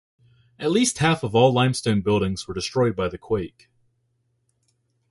At least half of all limestone buildings were destroyed by the quake.